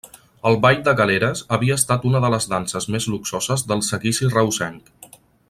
El ball de Galeres havia estat una de les danses més luxoses del seguici reusenc.